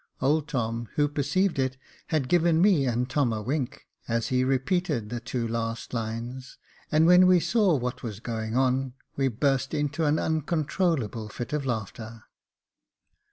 Old Tom, who perceived it, had given me and Tom a wink, as he repeated the two last lines ; and when we saw what was going on, we burst into an uncontrollable fit of laughter.